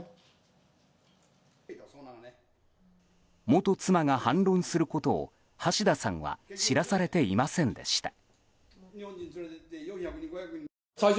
元妻が反論することを橋田さんは知らされていませんでした。